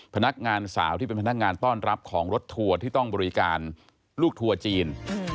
พนักงานสาวที่เป็นพนักงานต้อนรับของรถทัวร์ที่ต้องบริการลูกทัวร์จีน